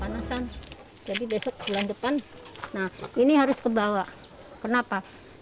panasan jadi besok bulan depan nah ini harus ke bawah kenapa